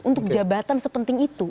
untuk jabatan sepenting itu